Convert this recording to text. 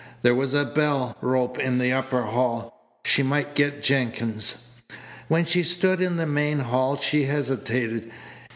There was a bell rope in the upper hall. She might get Jenkins. When she stood in the main hall she hesitated.